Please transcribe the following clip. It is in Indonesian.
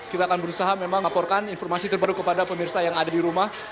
kita akan berusaha memang laporkan informasi terbaru kepada pemirsa yang ada di rumah